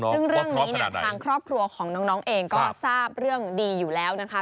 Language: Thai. ซึ่งเรื่องนี้เนี่ยทางครอบครัวของน้องเองก็ทราบเรื่องดีอยู่แล้วนะคะ